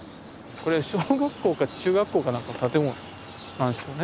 これ小学校か中学校か何かの建物なんでしょうね。